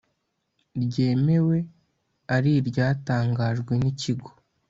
ryemewe ari iryatangajwe n Ikigo